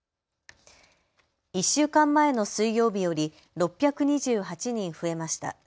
１週間前の水曜日より６２８人増えました。